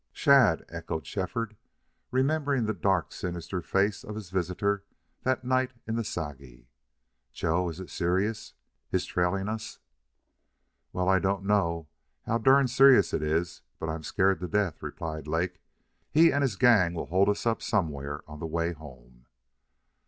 "Shadd!" echoed Shefford, remembering the dark, sinister face of his visitor that night in the Sagi. "Joe, is it serious his trailing us?" "Well, I don't know how durn serious it is, but I'm scared to death," replied Lake. "He and his gang will hold us up somewhere on the way home."